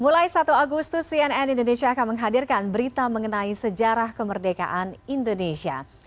mulai satu agustus cnn indonesia akan menghadirkan berita mengenai sejarah kemerdekaan indonesia